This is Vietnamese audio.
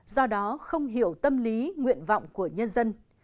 do đó không hiểu tâm lý nguyện vọng của nhân dân